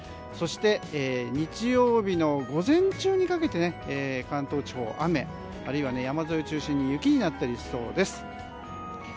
そして、日曜日の午前中にかけて関東地方、雨あるいは山沿いを中心に雪になったりしそうです。